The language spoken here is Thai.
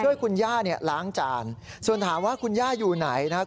ช่วยคุณย่าเนี่ยล้างจานส่วนถามว่าคุณย่าอยู่ไหนนะครับ